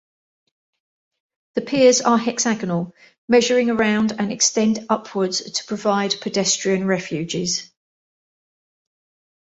The piers are hexagonal, measuring around and extend upwards to provide pedestrian refuges.